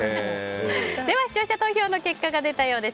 では視聴者投票の結果が出たようです。